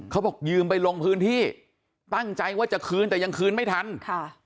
เขาบอกยืมไปลงพื้นที่ตั้งใจว่าจะคืนแต่ยังคืนไม่ทันค่ะ